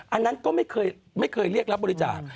อันนั้นก็ไม่เคยเรียกรับบริจาค